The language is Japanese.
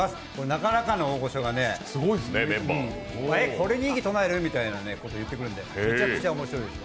なかなかの大御所が、これに異議唱える？みたいなことを言ってくれるので、めちゃくちゃおもしろいです。